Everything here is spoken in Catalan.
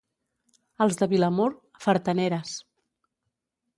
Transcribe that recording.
Els de Vilamur, fartaneres.